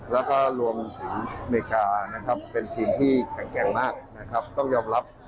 แล้วก็รวมถึงอเมริกานะครับเป็นทีมที่แข็งแกร่งมากนะครับต้องยอมรับ